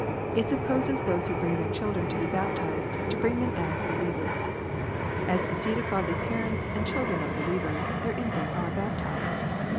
It supposes those who bring their children to be baptized, to bring them as believers. As the seed of godly parents and children of be lievers, their infants are baptized.